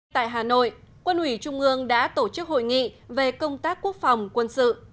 tại hà nội quân ủy trung ương đã tổ chức hội nghị về công tác quốc phòng quân sự